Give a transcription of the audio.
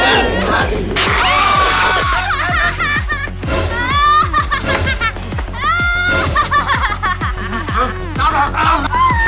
อ้าวอ้าว